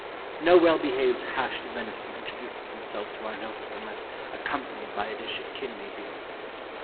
No well behaved hashed venison introduces himself to our notice unless accompanied by a dish of kidney beans.